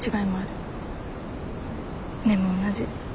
でも同じ。